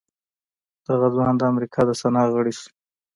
دغه ځوان د امريکا د سنا غړی شو.